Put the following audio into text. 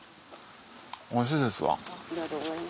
おいしいですわ。